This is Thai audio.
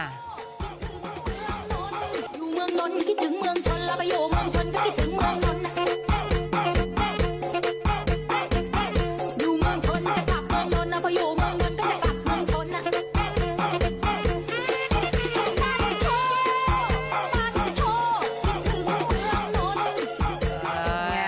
โทษมาโทษจิมคือว่าเวลาโน่น